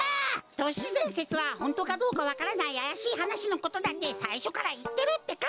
都市伝説はホントかどうかわからないあやしいはなしのことだってさいしょからいってるってか！